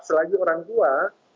selagi orang tua